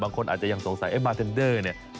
บางคนอาจจะยังสงสัยไอ้มาร์เทนเดอร์เนี่ย